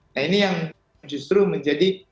nah ini yang justru menjadi